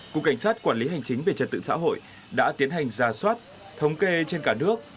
cục cảnh sát quản lý hành chính về trật tự xã hội đã tiến hành ra soát thống kê trên cả nước